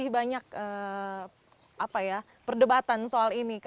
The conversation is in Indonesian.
banyak perdebatan soal ini